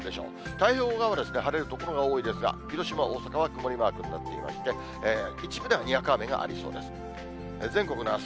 太平洋側は晴れる所が多いですが、広島、大阪は曇りマークになっていまして、一部ではにわか雨がありそうです。